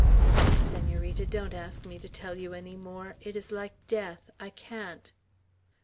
Oh, Senorita, don't ask me to tell you any more! It is like death. I can't!"